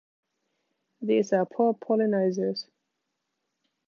These are poor pollenizers.